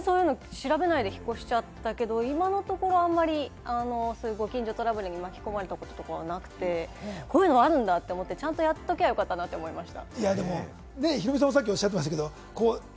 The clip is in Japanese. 私、実は最近、引っ越しをしたんですけど、全然そういうの調べないで引っ越しちゃったけど、今のところあんまりご近所トラブルに巻き込まれたこととかはなくて、こういうのあるんだと思って、ちゃんとやっときゃよかったなと思いました。